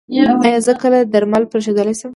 ایا زه کله درمل پریښودلی شم؟